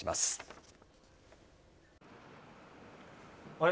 あれ？